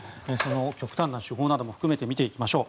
極端な手法なども見ていきましょう。